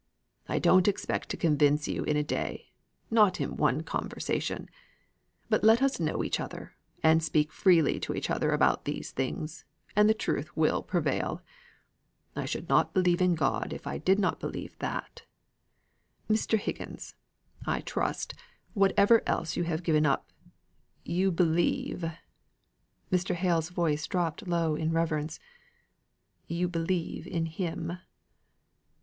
I don't expect to convince you in a day, not in one conversation; but let us know each other, and speak freely to each other about these things, and the truth will prevail. I should not believe in God if I did not believe that. Mr. Higgins, I trust, whatever else you have given up, you believe" (Mr. Hale's voice dropped low in reverence) "you believe in Him."